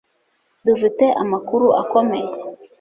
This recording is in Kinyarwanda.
Dufite amakuru akomeye